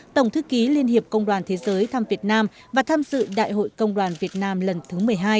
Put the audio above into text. tổng thư ký liên hiệp công đoàn thế giới thăm việt nam và tham dự đại hội công đoàn việt nam lần thứ một mươi hai